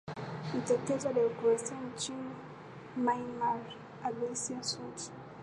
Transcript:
mtetezi wa demokrasia nchini myanmar anginsan suchi